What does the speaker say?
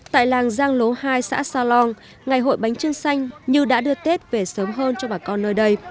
tại làng giang lố hai xã sa long ngày hội bánh trưng xanh như đã đưa tết về sớm hơn cho bà con nơi đây